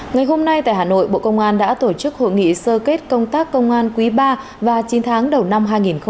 ngày hôm nay tại hà nội bộ công an đã tổ chức hội nghị sơ kết công tác công an quý ba và chín tháng đầu năm hai nghìn hai mươi ba